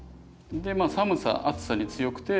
でまあ寒さ暑さに強くて。